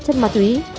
chất ma túy